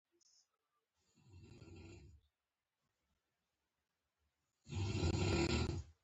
ویروسونه څنګه له یو کس بل ته ځي؟